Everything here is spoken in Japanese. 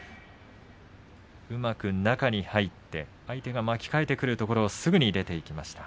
うまく中に入って相手が巻き替えてくるところをすぐに出ていきました。